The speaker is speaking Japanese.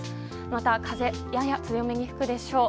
また、南風がやや強めに吹くでしょう。